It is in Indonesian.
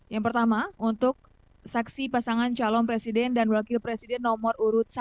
yang pertama untuk saksi pasangan calon presiden dan wakil presiden nomor urut satu